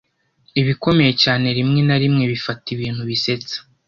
Ibikomeye cyane rimwe na rimwe bifata ibintu bisetsa